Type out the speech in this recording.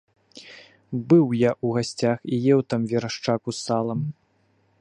Быў я ў гасцях і еў там верашчаку з салам.